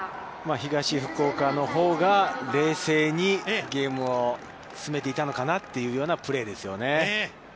東福岡のほうが冷静にゲームを進めていたのかなというようなプレーですよね。